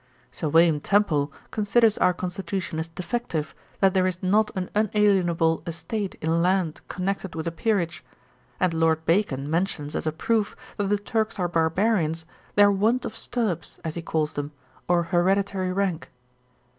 Sir William Temple considers our constitution as defective, that there is not an unalienable estate in land connected with a peerage; and Lord Bacon mentions as a proof that the Turks are Barbarians, their want of Stirpes, as he calls them, or hereditary rank.